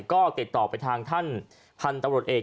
ก็ติดต่อไปทางท่านพันธุ์ตำรวจเอก